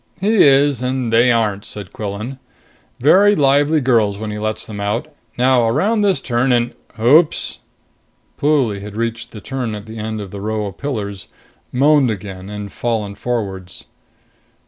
"He is and they aren't," said Quillan. "Very lively girls when he lets them out. Now around this turn and ... oops!" Pluly had reached the turn at the end of the row of pillars, moaned again and fallen forwards.